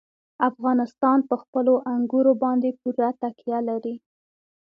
افغانستان په خپلو انګورو باندې پوره تکیه لري.